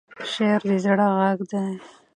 شعر د زړه غږ دی.